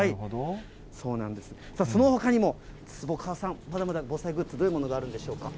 そうなんです、そのほかにも、坪川さん、まだまだ防災グッズ、どういうものがあるんでしょうか。